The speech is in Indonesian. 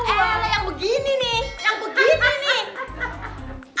eh yang begini nih yang begini nih